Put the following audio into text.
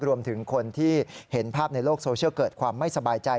รวมถึงคนที่เห็นภาพในโลกโซเชียลเกิดความไม่สบายใจ